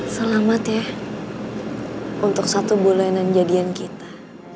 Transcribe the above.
selamat ya untuk satu bulanan jadian kita